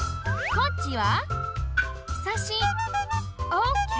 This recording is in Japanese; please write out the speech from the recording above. こっちは庇。